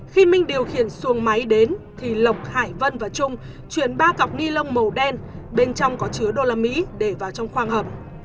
khi minh điều khiển xuồng máy đến thì lộc hải vân và trung chuyển ba cọc ni lông màu đen bên trong có chứa đô la mỹ để vào trong khoang hợp